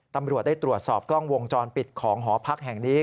ตำรวจได้ตรวจสอบกล้องวงจรปิดของหอพักแห่งนี้